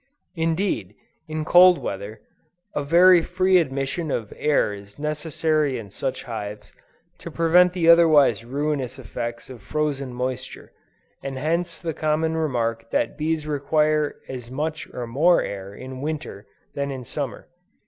Indeed, in cold weather, a very free admission of air is necessary in such hives, to prevent the otherwise ruinous effects of frozen moisture; and hence the common remark that bees require as much or more air in Winter than in Summer.